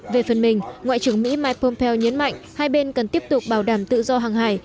về phần mình ngoại trưởng mỹ mike pompeo nhấn mạnh hai bên cần tiếp tục bảo đảm tự do hàng hải